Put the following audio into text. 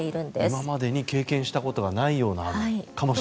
今までに経験したことがないかもしれない。